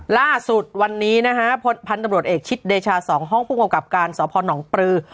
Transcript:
ล่าสุดวันนี้นะฮะพันธุ์ตำรวจเอกชิดเดชา๒ห้องผู้กำกับการสพนปลือ